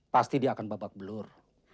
pasti dia akan babak belur